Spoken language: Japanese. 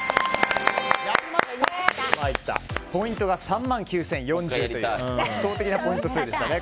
ポイントが３万９０４０という圧倒的なポイント数でしたね。